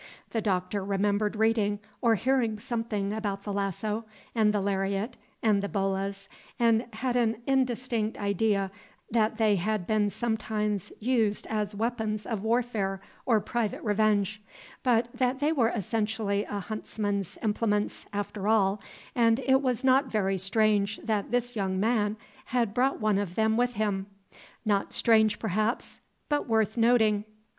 The Doctor remembered reading or hearing something about the lasso and the lariat and the bolas, and had an indistinct idea that they had been sometimes used as weapons of warfare or private revenge; but they were essentially a huntsman's implements, after all, and it was not very strange that this young man had brought one of them with him. Not strange, perhaps, but worth noting.